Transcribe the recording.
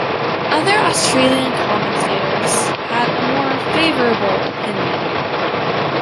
Other Australian commentators had a more favourable opinion.